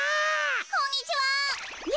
こんにちは。